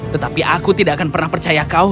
tetapi aku tidak akan pernah percaya kau